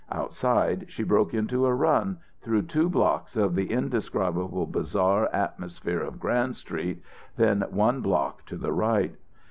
Outside, she broke into a run, through two blocks of the indescribable bazaar atmosphere of Grand Street, then one block to the right.